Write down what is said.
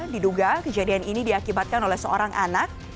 diduga kejadian ini diakibatkan oleh seorang anak